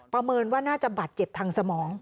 เมินว่าน่าจะบาดเจ็บทางสมอง